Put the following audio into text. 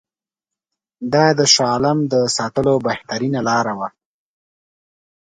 دا د شاه عالم د ساتلو بهترینه لاره وه.